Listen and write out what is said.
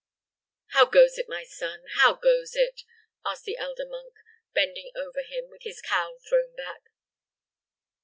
"How goes it, my son how goes it?" asked the elder monk, bending over him, with his cowl thrown back.